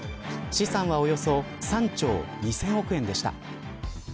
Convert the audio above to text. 資産はおよそ３兆２０００億円でした。